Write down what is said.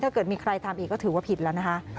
ถ้าเกิดมีใครทำอีกก็ถือว่าผิดแล้วนะคะ